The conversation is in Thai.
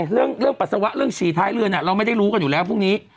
เรื่องปัสสาวะเรื่องฉี่ท้ายเรือเราไม่ได้รู้กันอยู่แล้วพรุ่งนี้